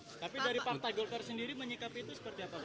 tapi dari partai golkar sendiri menyikapi itu seperti apa pak